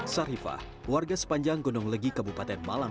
sarifah warga sepanjang gunung legi kabupaten malang